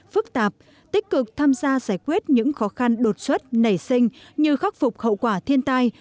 phức tạp tích cực tham gia giải quyết những khó khăn đột xuất nảy sinh như khắc phục hậu quả thiên tai